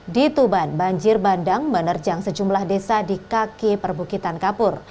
di tuban banjir bandang menerjang sejumlah desa di kaki perbukitan kapur